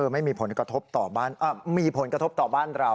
ไม่มีผลกระทบต่อบ้านมีผลกระทบต่อบ้านเรา